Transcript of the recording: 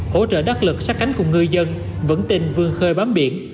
hỗ trợ đắc lực sát cánh cùng người dân vững tinh vương khơi bám biển